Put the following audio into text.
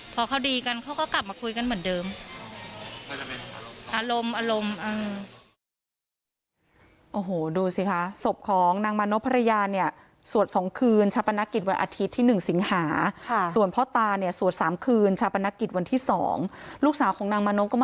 พอเขาดีกันเขาก็กลับมาคุยกันเหมือนเดิม